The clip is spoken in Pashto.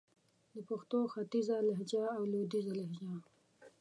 د پښتو ختیځه لهجه او لويديځه لهجه